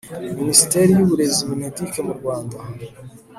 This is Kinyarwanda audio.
MInisiteri y Uburezi MINEDUC mu Rwanda